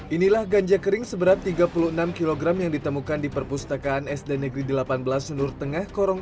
inilah ganja kering seberat tiga puluh enam kg yang ditemukan di perpustakaan sd negeri delapan belas sunur tengah korong